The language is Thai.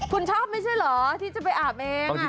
คุณชอบไม่ใช่เหรอที่จะไปอาบเอง